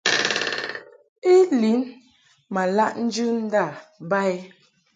I lin ma laʼ njɨ nda ba i.